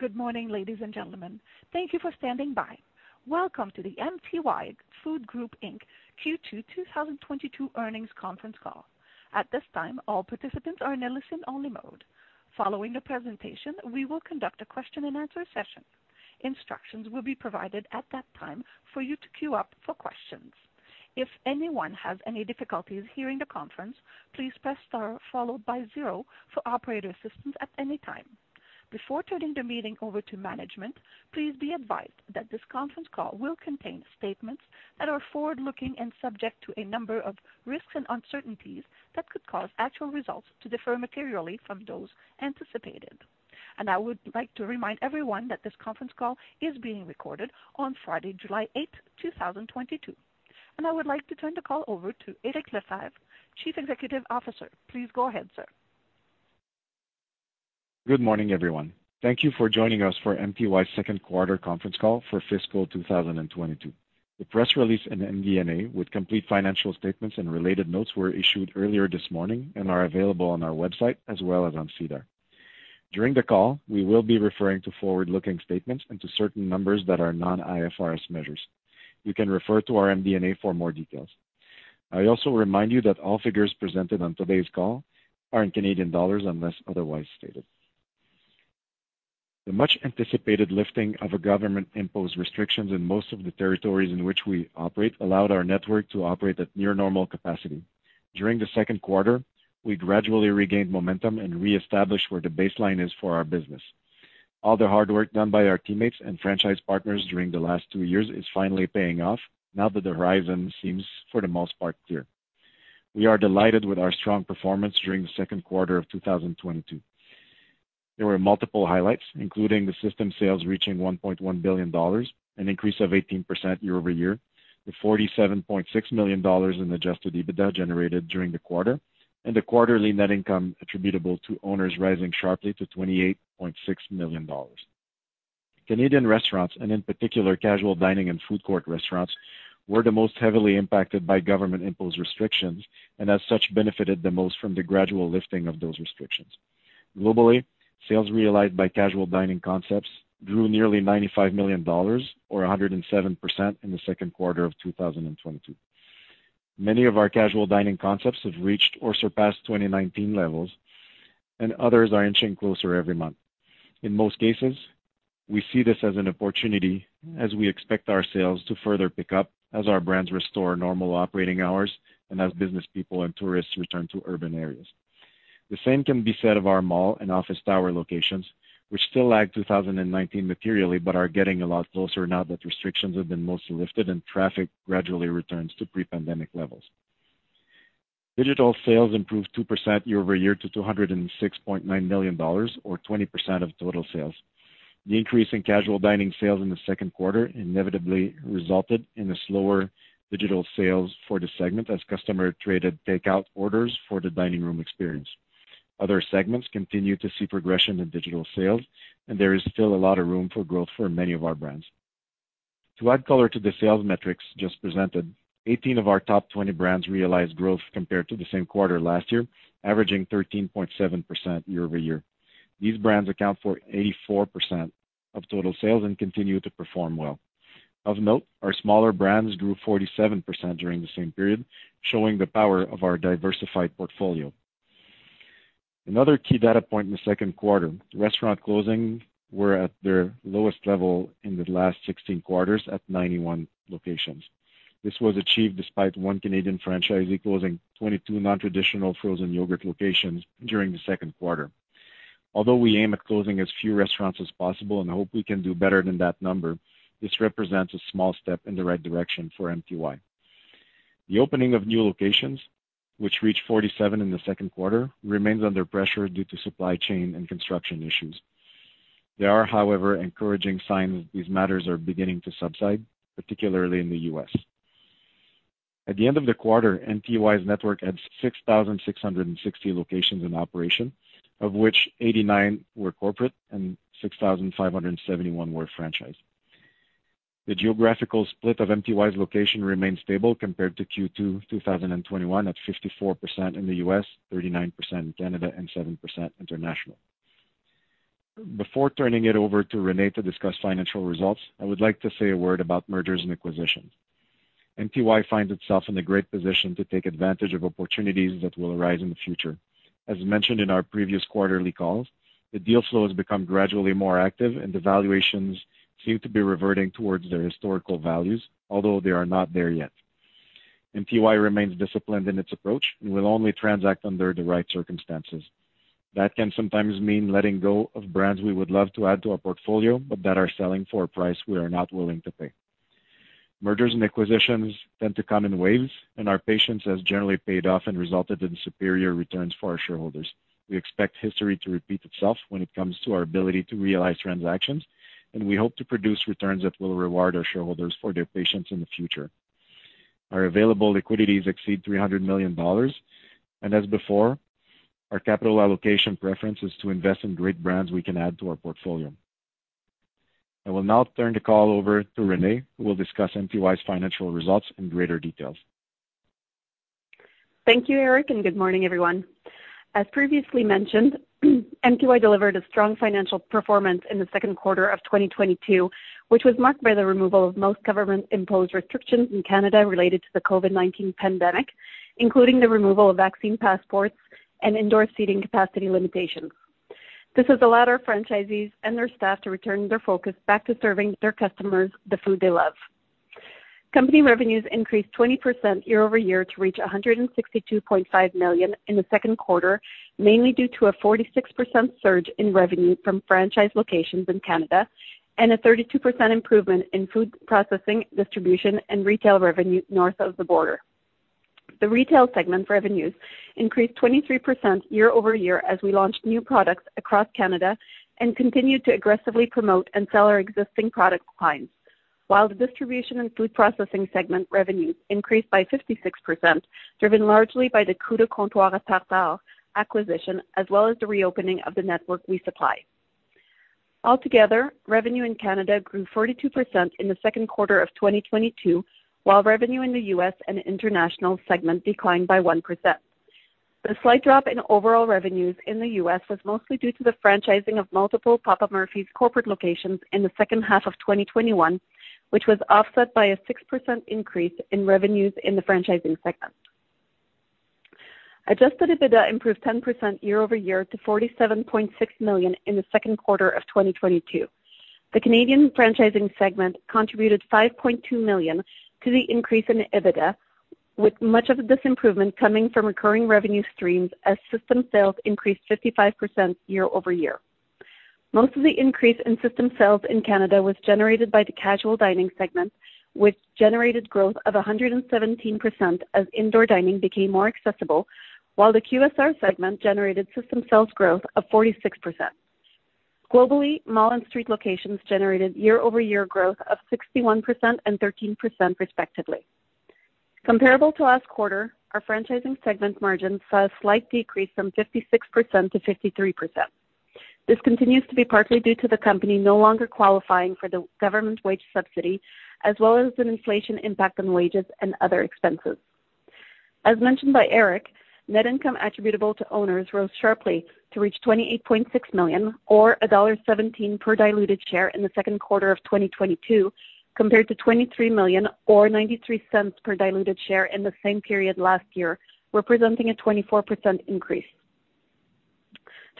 Good morning, ladies and gentlemen. Thank you for standing by. Welcome to the MTY Food Group Inc. Q2 2022 Earnings Conference Call. At this time, all participants are in a listen-only mode. Following the presentation, we will conduct a question-and-answer session. Instructions will be provided at that time for you to queue up for questions. If anyone has any difficulties hearing the conference, please press star followed by zero for operator assistance at any time. Before turning the meeting over to management, please be advised that this conference call will contain statements that are forward-looking and subject to a number of risks and uncertainties that could cause actual results to differ materially from those anticipated. I would like to remind everyone that this conference call is being recorded on Friday, July eighth, 2022. I would like to turn the call over to Eric Lefebvre, Chief Executive Officer. Please go ahead, sir. Good morning, everyone. Thank you for joining us for MTY's second quarter conference call for fiscal 2022. The press release in the MD&A with complete financial statements and related notes were issued earlier this morning and are available on our website as well as on SEDAR. During the call, we will be referring to forward-looking statements and to certain numbers that are non-IFRS measures. You can refer to our MD&A for more details. I also remind you that all figures presented on today's call are in Canadian dollars, unless otherwise stated. The much-anticipated lifting of government-imposed restrictions in most of the territories in which we operate allowed our network to operate at near normal capacity. During the second quarter, we gradually regained momentum and reestablished where the baseline is for our business. All the hard work done by our teammates and franchise partners during the last two years is finally paying off now that the horizon seems, for the most part, clear. We are delighted with our strong performance during the second quarter of 2022. There were multiple highlights, including the system sales reaching 1.1 billion dollars, an increase of 18% year-over-year, the 47.6 million dollars in adjusted EBITDA generated during the quarter, and the quarterly net income attributable to owners rising sharply to 28.6 million Canadian dollars. Canadian restaurants, and in particular, casual dining and food court restaurants, were the most heavily impacted by government imposed restrictions and as such benefited the most from the gradual lifting of those restrictions. Globally, sales realized by casual dining concepts grew nearly 95 million dollars or 107% in the second quarter of 2022. Many of our casual dining concepts have reached or surpassed 2019 levels, and others are inching closer every month. In most cases, we see this as an opportunity as we expect our sales to further pick up as our brands restore normal operating hours and as business people and tourists return to urban areas. The same can be said of our mall and office tower locations, which still lag 2019 materially but are getting a lot closer now that restrictions have been mostly lifted and traffic gradually returns to pre-pandemic levels. Digital sales improved 2% year-over-year to 206.9 million dollars or 20% of total sales. The increase in casual dining sales in the second quarter inevitably resulted in a slower digital sales for the segment as customer traded take out orders for the dining room experience. Other segments continue to see progression in digital sales, and there is still a lot of room for growth for many of our brands. To add color to the sales metrics just presented, 18 of our top 20 brands realized growth compared to the same quarter last year, averaging 13.7% year-over-year. These brands account for 84% of total sales and continue to perform well. Of note, our smaller brands grew 47% during the same period, showing the power of our diversified portfolio. Another key data point in the second quarter, restaurant closings were at their lowest level in the last 16 quarters at 91 locations. This was achieved despite one Canadian franchisee closing 22 nontraditional frozen yogurt locations during the second quarter. Although we aim at closing as few restaurants as possible and hope we can do better than that number, this represents a small step in the right direction for MTY. The opening of new locations, which reached 47 in the second quarter, remains under pressure due to supply chain and construction issues. There are, however, encouraging signs these matters are beginning to subside, particularly in the U.S. At the end of the quarter, MTY's network had 6,660 locations in operation, of which 89 were corporate and 6,571 were franchise. The geographical split of MTY's location remains stable compared to Q2 2021 at 54% in the US, 39% in Canada, and 7% international. Before turning it over to Renée to discuss financial results, I would like to say a word about mergers and acquisitions. MTY finds itself in a great position to take advantage of opportunities that will arise in the future. As mentioned in our previous quarterly calls, the deal flow has become gradually more active and the valuations seem to be reverting towards their historical values, although they are not there yet. MTY remains disciplined in its approach and will only transact under the right circumstances. That can sometimes mean letting go of brands we would love to add to our portfolio but that are selling for a price we are not willing to pay. Mergers and acquisitions tend to come in waves, and our patience has generally paid off and resulted in superior returns for our shareholders. We expect history to repeat itself when it comes to our ability to realize transactions, and we hope to produce returns that will reward our shareholders for their patience in the future. Our available liquidity exceeds 300 million dollars, and as before, our capital allocation preference is to invest in great brands we can add to our portfolio. I will now turn the call over to Renée, who will discuss MTY's financial results in greater detail. Thank you, Eric, and good morning, everyone. As previously mentioned, MTY delivered a strong financial performance in the second quarter of 2022, which was marked by the removal of most government imposed restrictions in Canada related to the COVID-19 pandemic, including the removal of vaccine passports and indoor seating capacity limitations. This has allowed our franchisees and their staff to return their focus back to serving their customers the food they love. Company revenues increased 20% year-over-year to reach 162.5 million in the second quarter, mainly due to a 46% surge in revenue from franchise locations in Canada and a 32% improvement in food processing, distribution, and retail revenue north of the border. The retail segment revenues increased 23% year-over-year as we launched new products across Canada and continued to aggressively promote and sell our existing product lines. While the distribution and food processing segment revenues increased by 56%, driven largely by the Le Comptoir - Tartares & Cocktails acquisition, as well as the reopening of the network we supply. Altogether, revenue in Canada grew 42% in the second quarter of 2022, while revenue in the U.S. and international segment declined by 1%. The slight drop in overall revenues in the U.S. was mostly due to the franchising of multiple Papa Murphy's corporate locations in the second half of 2021, which was offset by a 6% increase in revenues in the franchising segment. Adjusted EBITDA improved 10% year-over-year to 47.6 million in the second quarter of 2022. The Canadian franchising segment contributed 5.2 million to the increase in EBITDA, with much of this improvement coming from recurring revenue streams as system sales increased 55% year-over-year. Most of the increase in system sales in Canada was generated by the casual dining segment, which generated growth of 117% as indoor dining became more accessible, while the QSR segment generated system sales growth of 46%. Globally, mall and street locations generated year-over-year growth of 61% and 13% respectively. Comparable to last quarter, our franchising segment margin saw a slight decrease from 56% to 53%. This continues to be partly due to the company no longer qualifying for the government wage subsidy, as well as an inflation impact on wages and other expenses. As mentioned by Eric, net income attributable to owners rose sharply to reach 28.6 million or dollar 1.17 per diluted share in the second quarter of 2022, compared to 23 million or 0.93 per diluted share in the same period last year, representing a 24% increase.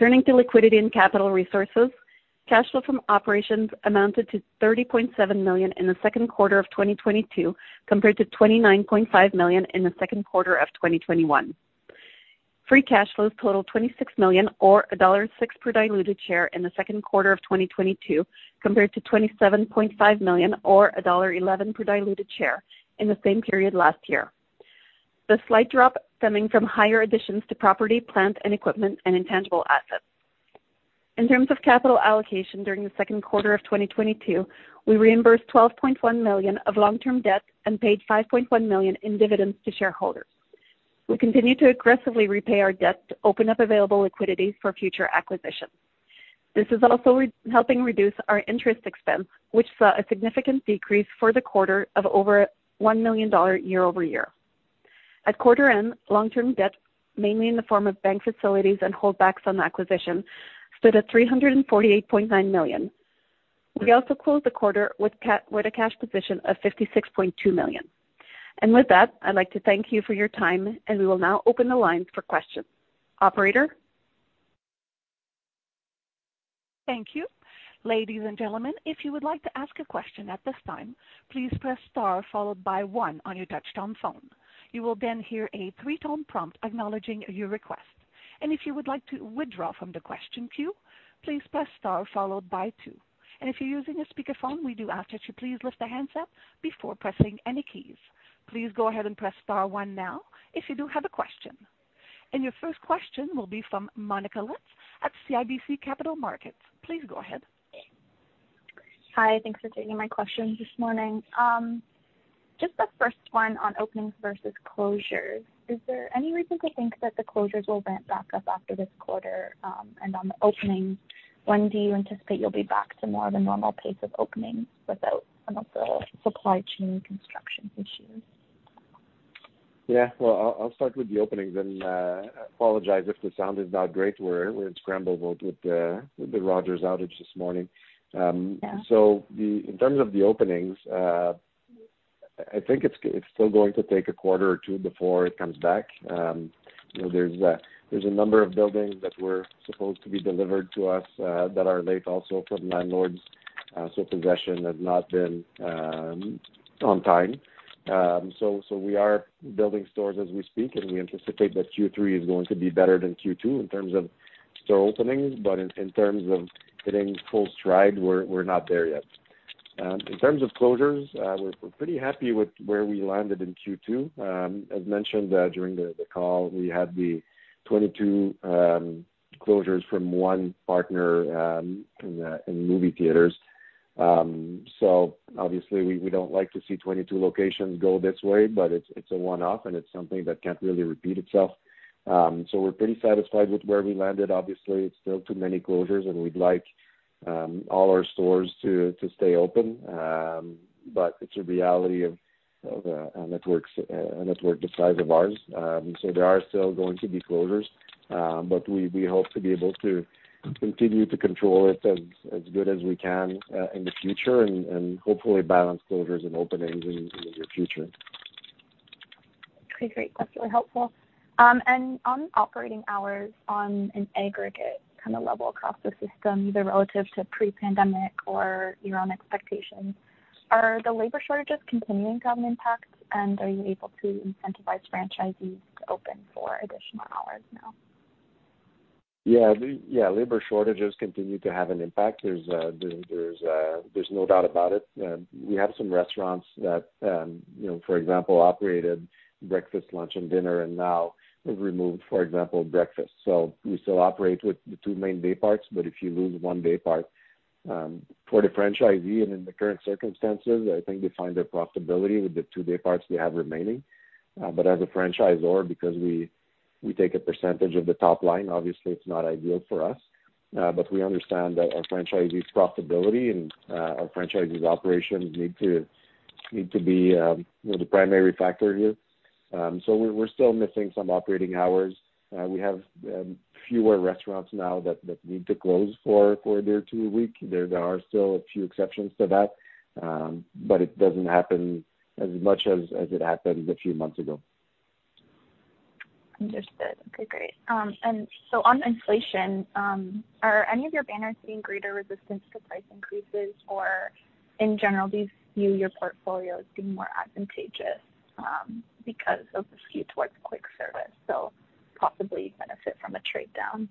Turning to liquidity and capital resources. Cash flow from operations amounted to CAD 30.7 million in the second quarter of 2022, compared to 29.5 million in the second quarter of 2021. Free cash flows totaled 26 million or dollar 1.06 per diluted share in the second quarter of 2022, compared to 27.5 million or dollar 1.11 per diluted share in the same period last year. The slight drop stemming from higher additions to property, plant and equipment and intangible assets. In terms of capital allocation during the second quarter of 2022, we reimbursed 12.1 million of long-term debt and paid 5.1 million in dividends to shareholders. We continue to aggressively repay our debt to open up available liquidity for future acquisitions. This is also helping reduce our interest expense, which saw a significant decrease for the quarter of over 1 million dollar year over year. At quarter end, long-term debt, mainly in the form of bank facilities and holdbacks on the acquisition, stood at 348.9 million. We also closed the quarter with a cash position of 56.2 million. With that, I'd like to thank you for your time, and we will now open the line for questions. Operator? Thank you. Ladies and gentlemen, if you would like to ask a question at this time, please press star followed by one on your touchtone phone. You will then hear a three-tone prompt acknowledging your request. If you would like to withdraw from the question queue, please press star followed by two. If you're using a speakerphone, we do ask that you please lift the handset before pressing any keys. Please go ahead and press star one now if you do have a question. Your first question will be from Monica Li at CIBC Capital Markets. Please go ahead. Hi, thanks for taking my questions this morning. Just the first one on openings versus closures. Is there any reason to think that the closures will ramp back up after this quarter? On the openings, when do you anticipate you'll be back to more of a normal pace of openings without some of the supply chain construction issues? Yeah. Well, I'll start with the openings and apologize if the sound is not great. We're in scramble mode with the Rogers outage this morning. Yeah. In terms of the openings, I think it's still going to take a quarter or two before it comes back. You know, there's a number of buildings that were supposed to be delivered to us that are late also from landlords. Possession has not been on time. We are building stores as we speak, and we anticipate that Q3 is going to be better than Q2 in terms of store openings. In terms of closures, we're pretty happy with where we landed in Q2. As mentioned, during the call, we had the 22 closures from one partner in movie theaters. Obviously, we don't like to see 22 locations go this way, but it's a one-off and it's something that can't really repeat itself. We're pretty satisfied with where we landed. Obviously, it's still too many closures, and we'd like all our stores to stay open. It's a reality of a network the size of ours. There are still going to be closures, but we hope to be able to continue to control it as good as we can in the future and hopefully balance closures and openings in the near future. Okay, great. That's really helpful. On operating hours on an aggregate kind of level across the system, either relative to pre-pandemic or your own expectations, are the labor shortages continuing to have an impact, and are you able to incentivize franchisees to open for additional hours now? Yeah. Labor shortages continue to have an impact. There's no doubt about it. We have some restaurants that, you know, for example, operated breakfast, lunch, and dinner and now have removed, for example, breakfast. We still operate with the two main day parts, but if you lose one day part, for the franchisee and in the current circumstances, I think they find their profitability with the two day parts they have remaining. As a franchisor, because we take a percentage of the top line, obviously it's not ideal for us. We understand that our franchisees' profitability and our franchisees' operations need to be, you know, the primary factor here. We're still missing some operating hours. We have fewer restaurants now that need to close for a day or two a week. There are still a few exceptions to that, but it doesn't happen as much as it happened a few months ago. Understood. Okay, great. On inflation, are any of your banners seeing greater resistance to price increases? In general, do you view your portfolio as being more advantageous, because of the skew towards quick service, so possibly benefit from a trade down?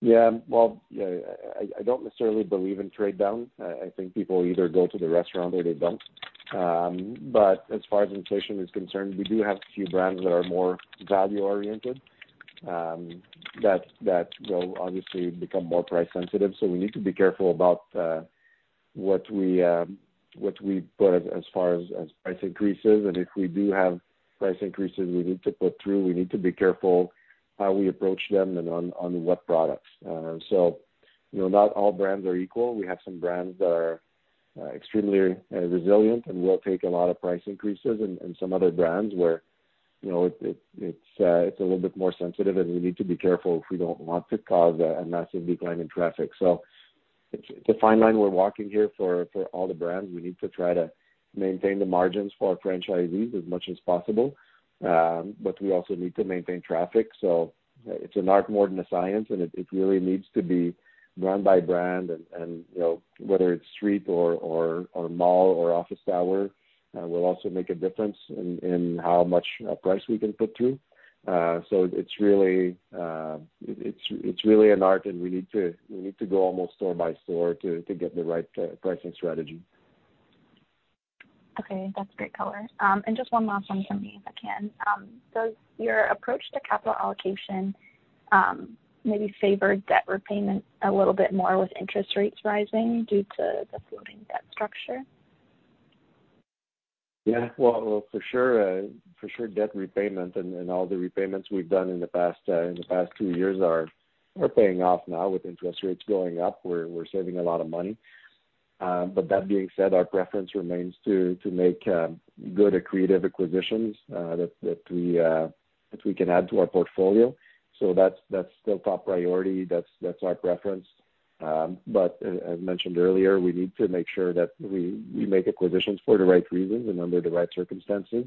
Yeah. Well, I don't necessarily believe in trade down. I think people either go to the restaurant or they don't. As far as inflation is concerned, we do have a few brands that are more value oriented, that will obviously become more price sensitive. We need to be careful about what we put as far as price increases. If we do have price increases we need to put through, we need to be careful how we approach them and on what products. You know, not all brands are equal. We have some brands that are extremely resilient and will take a lot of price increases and some other brands where, you know, it's a little bit more sensitive, and we need to be careful if we don't want to cause a massive decline in traffic. It's a fine line we're walking here for all the brands. We need to try to maintain the margins for our franchisees as much as possible, but we also need to maintain traffic. It's an art more than a science, and it really needs to be brand by brand and, you know, whether it's street or mall or office tower, will also make a difference in how much a price we can put through. It's really an art, and we need to go almost store by store to get the right pricing strategy. Okay, that's great color. Just one last one for me, if I can. Does your approach to capital allocation, maybe favor debt repayment a little bit more with interest rates rising due to the floating debt structure? Yeah. Well, for sure, debt repayment and all the repayments we've done in the past two years are paying off now with interest rates going up. We're saving a lot of money. That being said, our preference remains to make good accretive acquisitions that we can add to our portfolio. That's still top priority. That's our preference. As mentioned earlier, we need to make sure that we make acquisitions for the right reasons and under the right circumstances.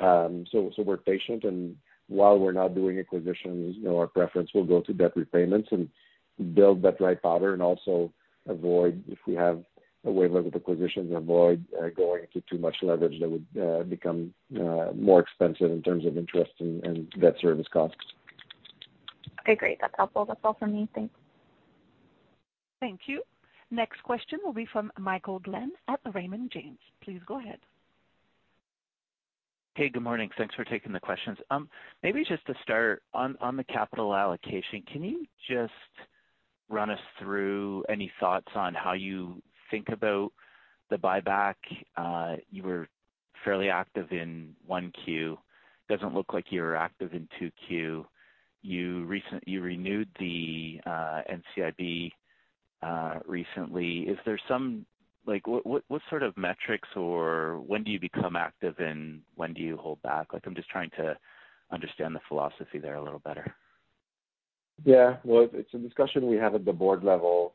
We're patient. While we're not doing acquisitions, you know, our preference will go to debt repayments and build that dry powder and also avoid, if we have a wave of acquisitions, going to too much leverage that would become more expensive in terms of interest and debt service costs. Okay, great. That's helpful. That's all for me. Thanks. Thank you. Next question will be from Michael Glen at Raymond James. Please go ahead. Hey, good morning. Thanks for taking the questions. Maybe just to start on the capital allocation, can you just run us through any thoughts on how you think about the buyback? You were fairly active in 1Q. Doesn't look like you're active in 2Q. You renewed the NCIB recently. Like, what sort of metrics or when do you become active and when do you hold back? Like, I'm just trying to understand the philosophy there a little better. Yeah. Well, it's a discussion we have at the board level,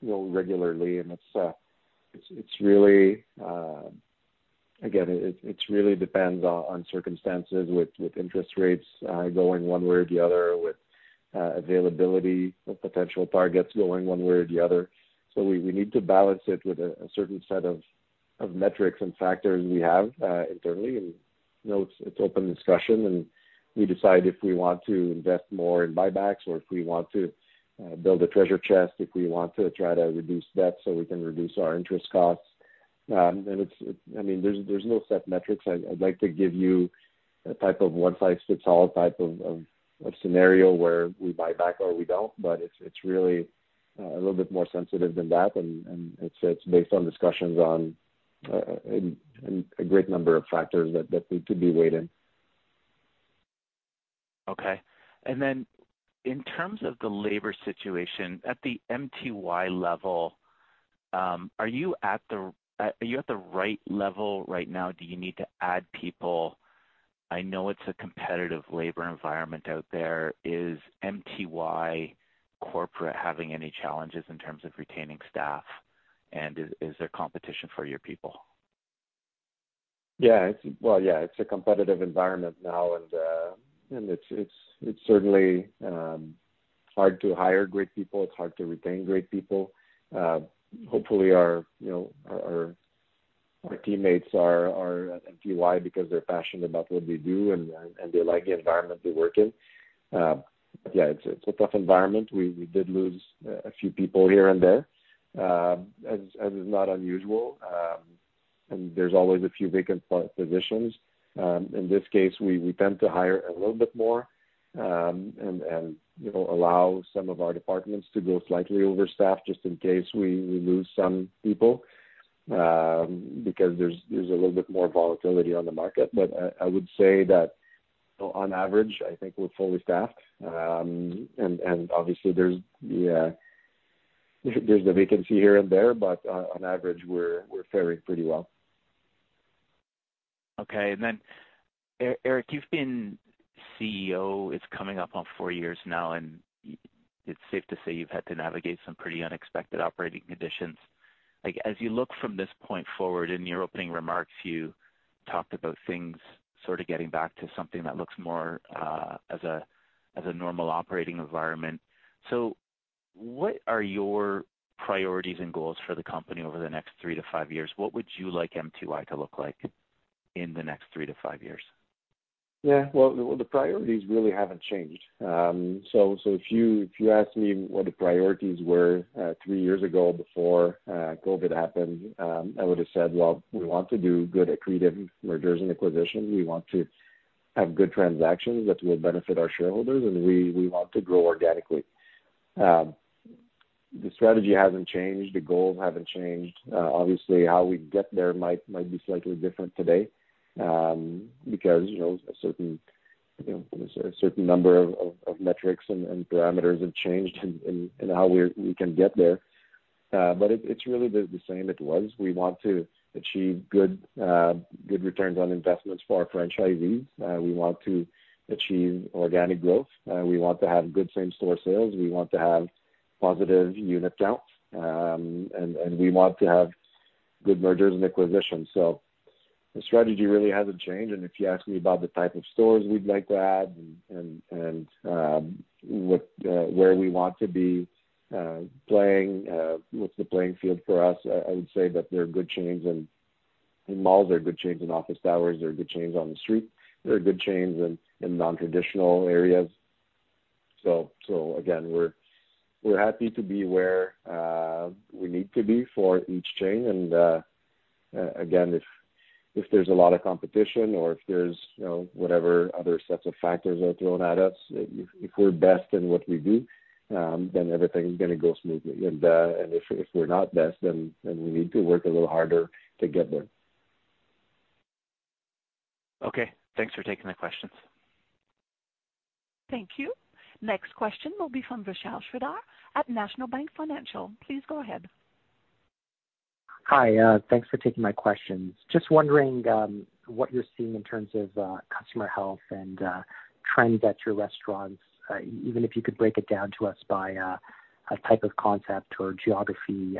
you know, regularly. It's really, again, it really depends on circumstances with interest rates going one way or the other with availability of potential targets going one way or the other. We need to balance it with a certain set of metrics and factors we have internally. You know, it's open discussion, and we decide if we want to invest more in buybacks or if we want to build a treasure chest, if we want to try to reduce debt so we can reduce our interest costs. I mean, there's no set metrics. I'd like to give you a type of one-size-fits-all type of scenario where we buy back or we don't. It's really a little bit more sensitive than that. It's based on discussions on and a great number of factors that need to be weighed in. Okay. In terms of the labor situation at the MTY level, are you at the right level right now? Do you need to add people? I know it's a competitive labor environment out there. Is MTY corporate having any challenges in terms of retaining staff, and is there competition for your people? It's a competitive environment now, and it's certainly hard to hire great people. It's hard to retain great people. Hopefully, you know, our teammates are at MTY because they're passionate about what we do and they like the environment they work in. It's a tough environment. We did lose a few people here and there, as is not unusual. There's always a few vacant positions. In this case, we tend to hire a little bit more and, you know, allow some of our departments to go slightly overstaffed just in case we lose some people because there's a little bit more volatility on the market. I would say that on average, I think we're fully staffed. Obviously there's the vacancy here and there, but on average, we're faring pretty well. Okay. Eric, you've been CEO, it's coming up on four years now, and it's safe to say you've had to navigate some pretty unexpected operating conditions. Like, as you look from this point forward, in your opening remarks, you talked about things sort of getting back to something that looks more, as a normal operating environment. What are your priorities and goals for the company over the next three to five years? What would you like MTY to look like in the next three to five years? Well, the priorities really haven't changed. If you asked me what the priorities were three years ago before COVID happened, I would've said, well, we want to do good accretive mergers and acquisitions. We want to have good transactions that will benefit our shareholders, and we want to grow organically. The strategy hasn't changed, the goals haven't changed. Obviously how we get there might be slightly different today, because, you know, a certain number of metrics and parameters have changed in how we can get there. It's really the same it was. We want to achieve good returns on investments for our franchisees. We want to achieve organic growth. We want to have good same store sales. We want to have positive unit counts. We want to have good mergers and acquisitions. The strategy really hasn't changed. If you ask me about the type of stores we'd like to add and where we want to be playing, what's the playing field for us, I would say that there are good chains in malls, there are good chains in office towers, there are good chains on the street, there are good chains in non-traditional areas. Again, we're happy to be where we need to be for each chain. Again, if there's a lot of competition or if there's, you know, whatever other sets of factors are thrown at us, if we're best in what we do, then everything's gonna go smoothly. If we're not best, then we need to work a little harder to get there. Okay. Thanks for taking the questions. Thank you. Next question will be from Vishal Shreedhar at National Bank Financial. Please go ahead. Hi. Thanks for taking my questions. Just wondering, what you're seeing in terms of, customer health and, trends at your restaurants? Even if you could break it down to us by, a type of concept or geography?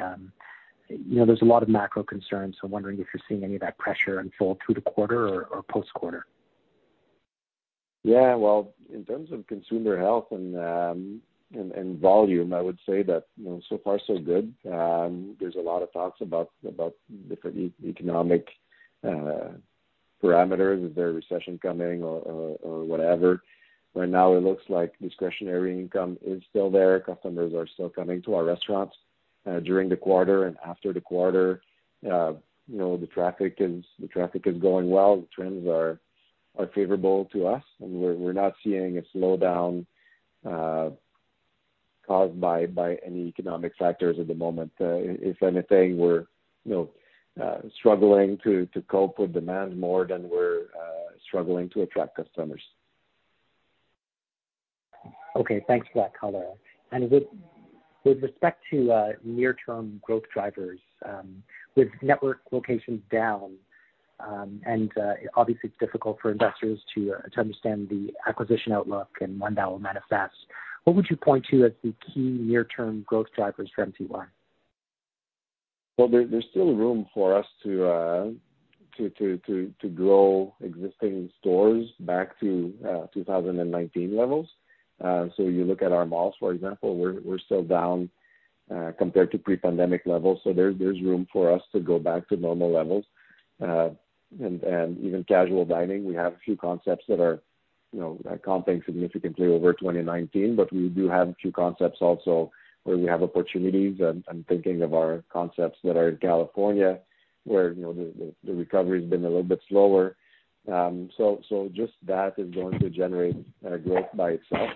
You know, there's a lot of macro concerns, so wondering if you're seeing any of that pressure unfold through the quarter or post-quarter? Yeah. Well, in terms of consumer health and volume, I would say that, you know, so far so good. There's a lot of talks about different economic parameters. Is there a recession coming or whatever? Right now it looks like discretionary income is still there. Customers are still coming to our restaurants during the quarter and after the quarter. You know, the traffic is going well. The trends are favorable to us, and we're not seeing a slowdown caused by any economic factors at the moment. If anything, we're, you know, struggling to cope with demand more than we're struggling to attract customers. Okay. Thanks for that color. With respect to near-term growth drivers, with network locations down, obviously it's difficult for investors to understand the acquisition outlook and when that will manifest, what would you point to as the key near-term growth drivers for MTY? There's still room for us to grow existing stores back to 2019 levels. You look at our malls, for example, we're still down compared to pre-pandemic levels. There's room for us to go back to normal levels. Even casual dining, we have a few concepts that are, you know, that comping significantly over 2019, but we do have a few concepts also where we have opportunities. I'm thinking of our concepts that are in California, where, you know, the recovery has been a little bit slower. Just that is going to generate growth by itself.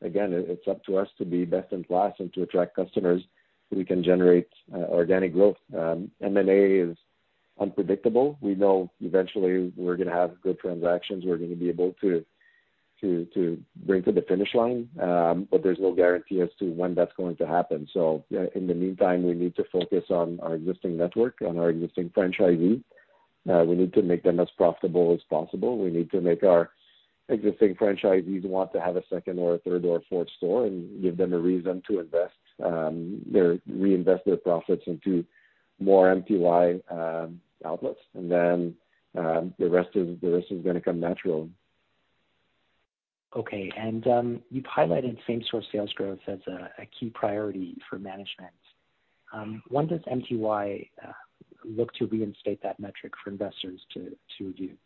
It's up to us to be best in class and to attract customers so we can generate organic growth. M&A is unpredictable. We know eventually we're gonna have good transactions we're gonna be able to to bring to the finish line, but there's no guarantee as to when that's going to happen. In the meantime, we need to focus on our existing network, on our existing franchisees. We need to make them as profitable as possible. We need to make our existing franchisees want to have a second or a third or a fourth store and give them a reason to invest reinvest their profits into more MTY outlets. Then the rest is gonna come natural. Okay. You've highlighted same-store sales growth as a key priority for management. When does MTY look to reinstate that metric for investors to view?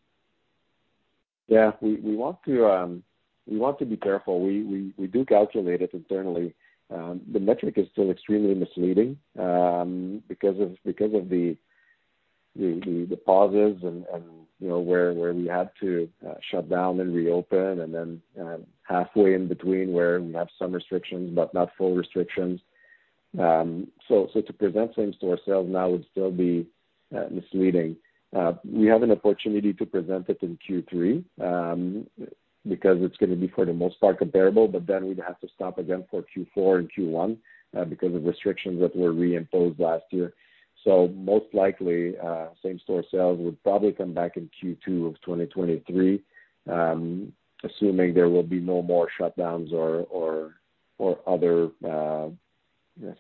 Yeah. We want to be careful. We do calculate it internally. The metric is still extremely misleading, because of the pauses and, you know, where we had to shut down and reopen and then, halfway in between where we have some restrictions but not full restrictions. To present same-store sales now would still be misleading. We have an opportunity to present it in Q3, because it's gonna be for the most part comparable, but then we'd have to stop again for Q4 and Q1, because of restrictions that were reimposed last year. Most likely, same-store sales would probably come back in Q2 of 2023, assuming there will be no more shutdowns or other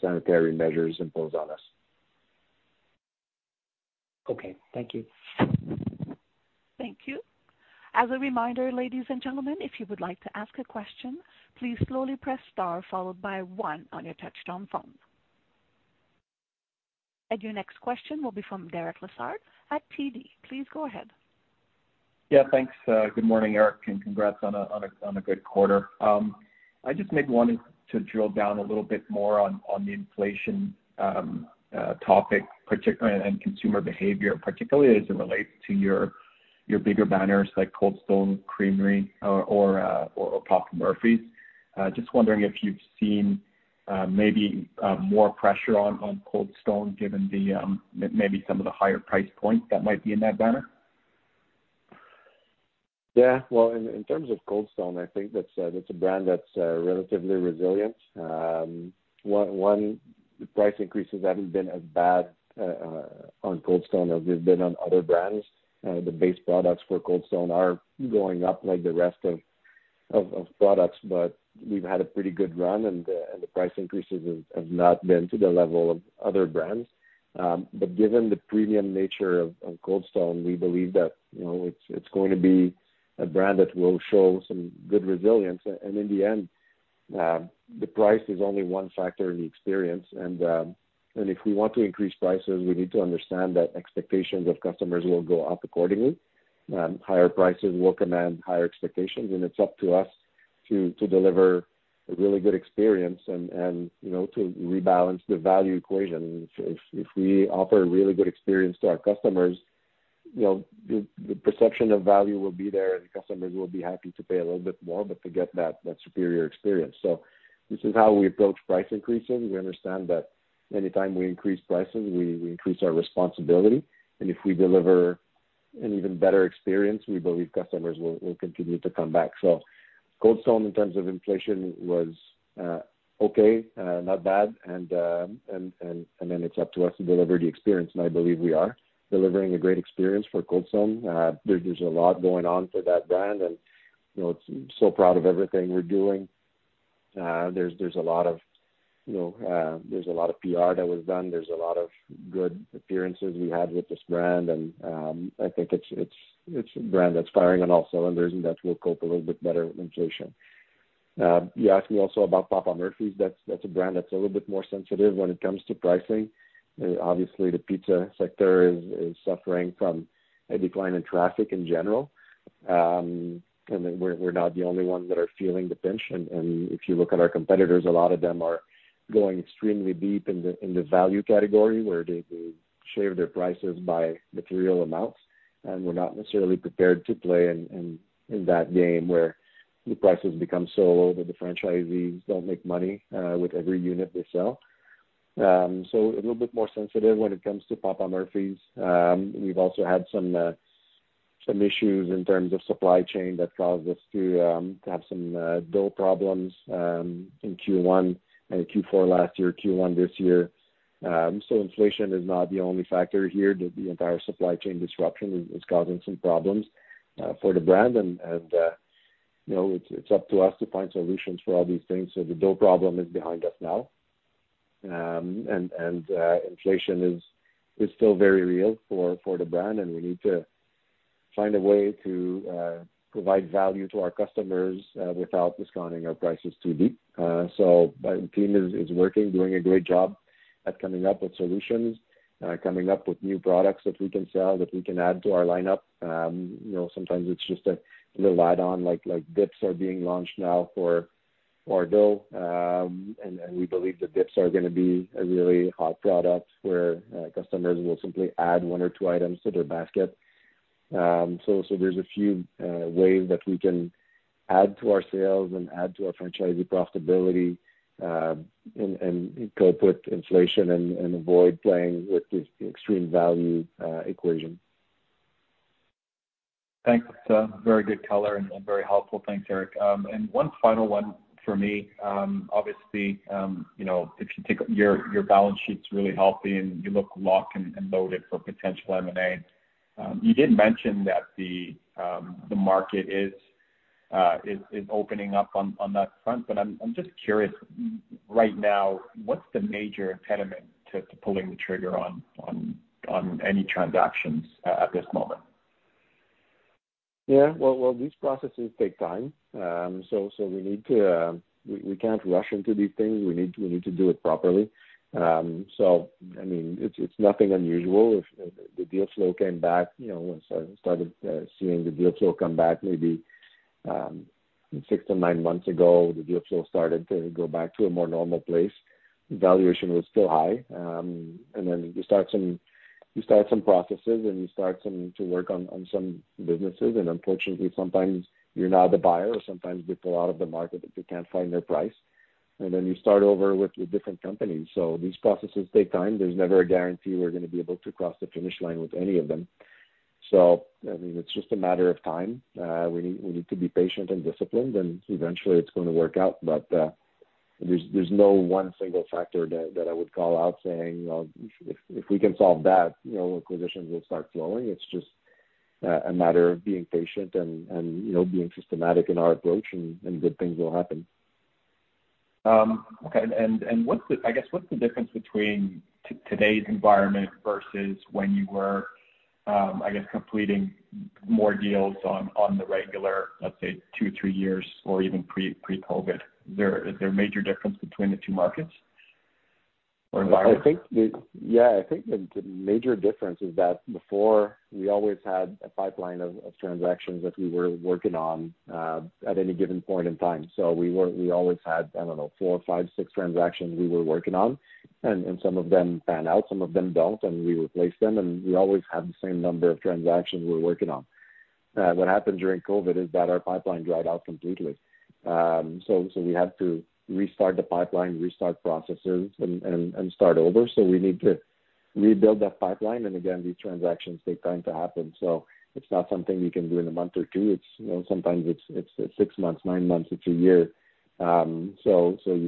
sanitary measures imposed on us. Okay. Thank you. Thank you. As a reminder, ladies and gentlemen, if you would like to ask a question, please slowly press star followed by one on your touchtone phone. Your next question will be from Derek Lessard at TD. Please go ahead. Yeah, thanks. Good morning, Eric, and congrats on a good quarter. I just maybe wanted to drill down a little bit more on the inflation topic, particularly, and consumer behavior, particularly as it relates to your bigger banners like Cold Stone Creamery or Papa Murphy's. Just wondering if you've seen more pressure on Cold Stone given some of the higher price points that might be in that banner. Yeah. Well, in terms of Cold Stone, I think that's a brand that's relatively resilient. One, the price increases haven't been as bad on Cold Stone as they've been on other brands. The base products for Cold Stone are going up like the rest of products, but we've had a pretty good run and the price increases have not been to the level of other brands. But given the premium nature of Cold Stone, we believe that, you know, it's going to be a brand that will show some good resilience. In the end, the price is only one factor in the experience. If we want to increase prices, we need to understand that expectations of customers will go up accordingly. Higher prices will command higher expectations, and it's up to us to deliver a really good experience and, you know, to rebalance the value equation. If we offer a really good experience to our customers, you know, the perception of value will be there and customers will be happy to pay a little bit more, but to get that superior experience. This is how we approach price increases. We understand that anytime we increase prices, we increase our responsibility. If we deliver an even better experience, we believe customers will continue to come back. Cold Stone in terms of inflation was okay, not bad, and then it's up to us to deliver the experience, and I believe we are delivering a great experience for Cold Stone. There's a lot going on for that brand and, you know, it's so proud of everything we're doing. There's a lot of, you know, PR that was done. There's a lot of good appearances we had with this brand and, I think it's a brand that's firing on all cylinders and that will cope a little bit better with inflation. You asked me also about Papa Murphy's. That's a brand that's a little bit more sensitive when it comes to pricing. Obviously, the pizza sector is suffering from a decline in traffic in general. We're not the only ones that are feeling the pinch. If you look at our competitors, a lot of them are going extremely deep in the value category where they shave their prices by material amounts. We're not necessarily prepared to play in that game where the prices become so low that the franchisees don't make money with every unit they sell. So a little bit more sensitive when it comes to Papa Murphy's. We've also had some issues in terms of supply chain that caused us to have some dough problems in Q1, Q4 last year, Q1 this year. So inflation is not the only factor here. The entire supply chain disruption is causing some problems for the brand. You know, it's up to us to find solutions for all these things. The dough problem is behind us now. Inflation is still very real for the brand, and we need to find a way to provide value to our customers without discounting our prices too deep. The team is working, doing a great job at coming up with solutions, coming up with new products that we can sell, that we can add to our lineup. You know, sometimes it's just a little add-on like dips are being launched now for our dough. We believe the dips are gonna be a really hot product where customers will simply add one or two items to their basket. There's a few ways that we can add to our sales and add to our franchisee profitability, and cope with inflation and avoid playing with the extreme value equation. Thanks. That's a very good color and very helpful. Thanks, Eric. One final one for me. Obviously, you know, if you take your balance sheet's really healthy and you look locked and loaded for potential M&A. You did mention that the market is opening up on that front, but I'm just curious, right now, what's the major impediment to pulling the trigger on any transactions at this moment? Yeah. Well, these processes take time. We need to we can't rush into these things. We need to do it properly. I mean, it's nothing unusual. If the deal flow came back, you know, once I started seeing the deal flow come back maybe six to nine months ago, the deal flow started to go back to a more normal place. Valuation was still high. Then you start some processes and you start to work on some businesses, and unfortunately, sometimes you're not the buyer or sometimes they pull out of the market if they can't find their price. Then you start over with different companies. These processes take time. There's never a guarantee we're gonna be able to cross the finish line with any of them. I mean, it's just a matter of time. We need to be patient and disciplined, and eventually it's gonna work out. There's no one single factor that I would call out saying, well, if we can solve that, you know, acquisitions will start flowing. It's just a matter of being patient and you know, being systematic in our approach and good things will happen. Okay. What's the difference between today's environment versus when you were, I guess, completing more deals on the regular, let's say two, three years or even pre-COVID? Is there a major difference between the two markets or environments? I think the major difference is that before we always had a pipeline of transactions that we were working on at any given point in time. We always had, I don't know, 4 or 5, 6 transactions we were working on, and some of them pan out, some of them don't, and we replace them, and we always had the same number of transactions we're working on. What happened during COVID is that our pipeline dried out completely. We had to restart the pipeline, restart processes and start over. We need to rebuild that pipeline. Again, these transactions take time to happen, so it's not something we can do in a month or two. It's, you know, sometimes it's 6 months, 9 months, it's a year. You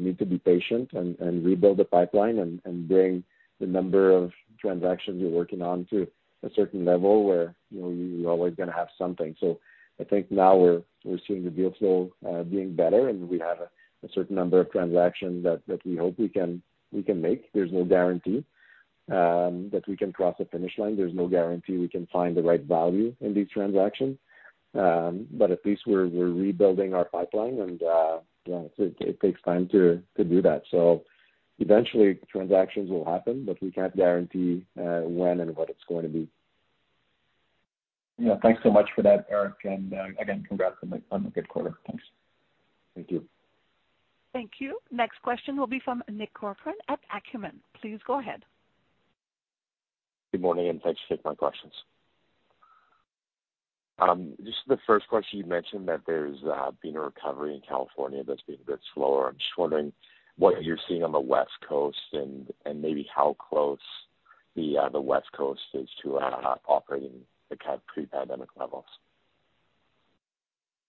need to be patient and rebuild the pipeline and bring the number of transactions you're working on to a certain level where, you know, you're always gonna have something. I think now we're seeing the deal flow being better, and we have a certain number of transactions that we hope we can make. There's no guarantee that we can cross the finish line. There's no guarantee we can find the right value in these transactions. At least we're rebuilding our pipeline and, yeah, it takes time to do that. Eventually transactions will happen, but we can't guarantee when and what it's going to be. Yeah. Thanks so much for that, Eric. Again, congrats on a good quarter. Thanks. Thank you. Thank you. Next question will be from Nick Corcoran at Acumen. Please go ahead. Good morning, and thanks for taking my questions. Just the first question, you mentioned that there's been a recovery in California that's been a bit slower. I'm just wondering what you're seeing on the West Coast and maybe how close the West Coast is to operating pre-pandemic levels.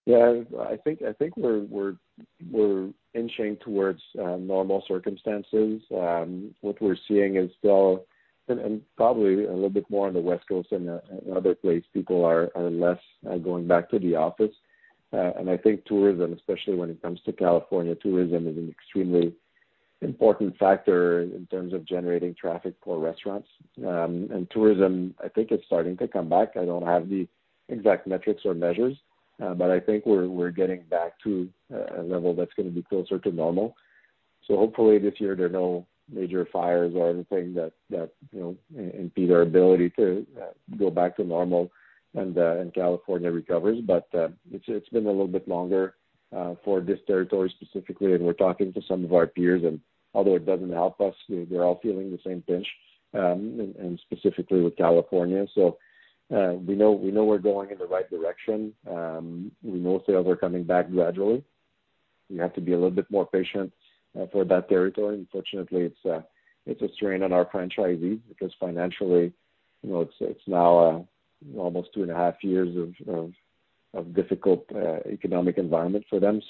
Yeah. I think we're inching towards normal circumstances. What we're seeing is still, and probably a little bit more on the West Coast than in other places, people are less going back to the office. I think tourism, especially when it comes to California, tourism is an extremely important factor in terms of generating traffic for restaurants. Tourism, I think it's starting to come back. I don't have the exact metrics or measures, but I think we're getting back to a level that's gonna be closer to normal. Hopefully this year there are no major fires or anything that you know impede our ability to go back to normal and California recovers. It's been a little bit longer for this territory specifically, and we're talking to some of our peers, and although it doesn't help us, they're all feeling the same pinch, and specifically with California. We know we're going in the right direction. We know sales are coming back gradually. We have to be a little bit more patient for that territory. Fortunately, it's a strain on our franchisees because financially, you know, it's now almost two and a half years of difficult economic environment for them.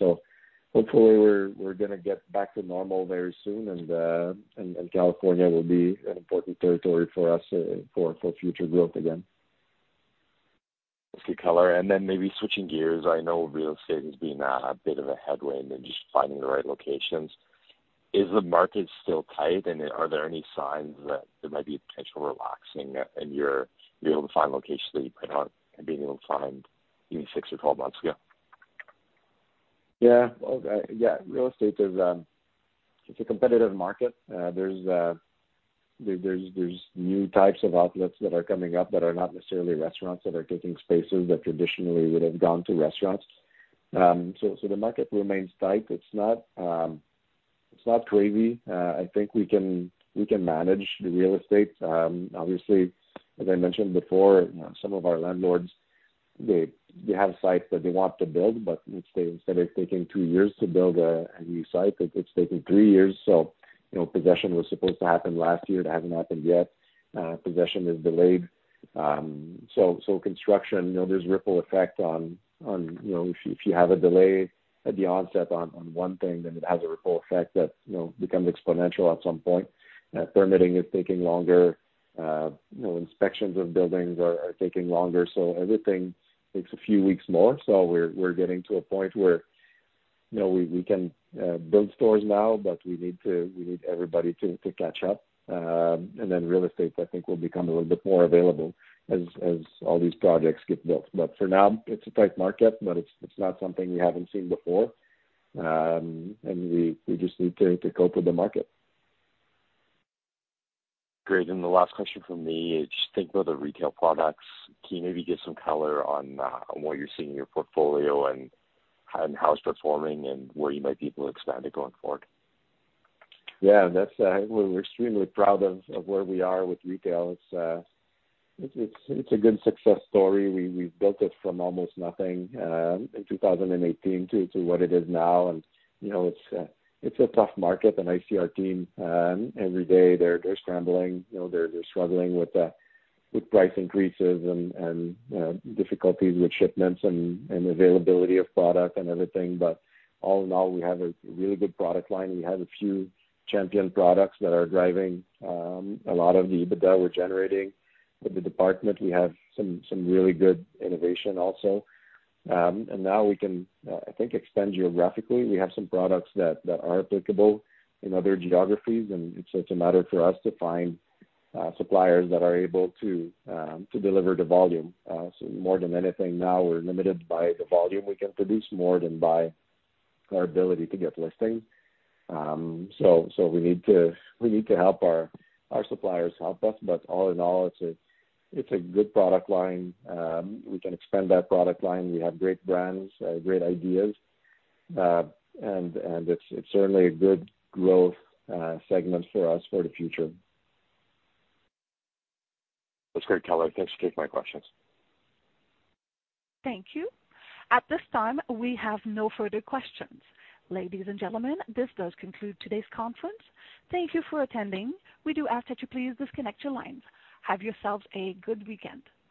Hopefully we're gonna get back to normal very soon and California will be an important territory for us for future growth again. Good color. Maybe switching gears, I know real estate has been a bit of a headwind and just finding the right locations. Is the market still tight, and are there any signs that there might be a potential relaxing and you're being able to find locations that you could not have been able to find maybe 6 or 12 months ago? Yeah. Well, yeah, real estate is, it's a competitive market. There's new types of outlets that are coming up that are not necessarily restaurants that are taking spaces that traditionally would have gone to restaurants. The market remains tight. It's not crazy. I think we can manage the real estate. Obviously, as I mentioned before, some of our landlords, they have sites that they want to build, but instead of taking two years to build a new site, it's taking three years. You know, possession was supposed to happen last year. It hasn't happened yet. Possession is delayed. Construction, you know, there's ripple effect on, you know, if you have a delay at the onset on one thing, then it has a ripple effect that, you know, becomes exponential at some point. Permitting is taking longer. You know, inspections of buildings are taking longer, so everything takes a few weeks more. We're getting to a point where, you know, we can build stores now, but we need everybody to catch up. Real estate, I think, will become a little bit more available as all these projects get built. For now, it's a tight market, but it's not something we haven't seen before. We just need to cope with the market. Great. The last question from me is just think about the retail products. Can you maybe give some color on what you're seeing in your portfolio and how it's performing and where you might be able to expand it going forward? Yeah. That's we're extremely proud of where we are with retail. It's a good success story. We've built it from almost nothing in 2018 to what it is now. You know, it's a tough market and I see our team every day. They're scrambling, you know, they're struggling with price increases and difficulties with shipments and availability of product and everything. But all in all, we have a really good product line. We have a few champion products that are driving a lot of the EBITDA we're generating. With the department, we have some really good innovation also. Now we can, I think, expand geographically. We have some products that are applicable in other geographies, and it's a matter for us to find suppliers that are able to deliver the volume. More than anything now we're limited by the volume we can produce more than by our ability to get listing. We need to help our suppliers help us. All in all, it's a good product line. We can expand that product line. We have great brands, great ideas. It's certainly a good growth segment for us for the future. That's great color. Thanks for taking my questions. Thank you. At this time, we have no further questions. Ladies and gentlemen, this does conclude today's conference. Thank you for attending. We do ask that you please disconnect your lines. Have yourselves a good weekend.